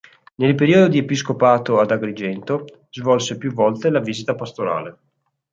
Nel periodo di episcopato ad Agrigento svolse più volte la visita pastorale.